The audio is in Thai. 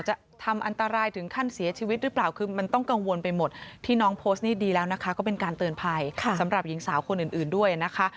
จะทำอันตรายถึงขั้นเสียชีวิตหรือเปล่าคือมันต้องกังวลไปหมดที่น้องโพสต์นี่ดีแล้วนะคะก็เป็นการเตือนภัยสำหรับหญิงสาวคนอื่นด้วยนะคะ